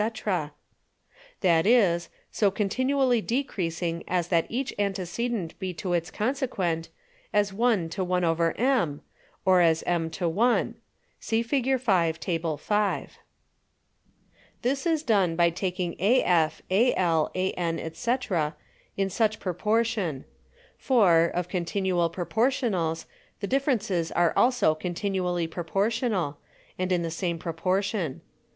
_ That is, so continually decreasing as that each Antecedent be to its Consequent, as 1 to 1/_m_, or as m to 1. See Fig. 5. Tab. 5. 13. This is done by taking AF, AL, AN, &c. in such proportion. For, of continual Proportionals, the Differences are also continually proportional, and in the same proportion.